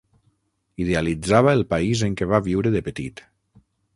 Idealitzava el país en què va viure de petit.